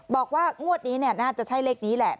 บอกว่างวดนี้น่าจะใช่เลขนี้แหละ